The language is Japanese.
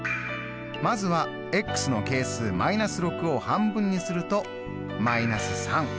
まずはの係数−６を半分にすると−３。